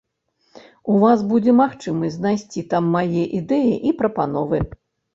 У вас будзе магчымасць знайсці там мае ідэі і прапановы.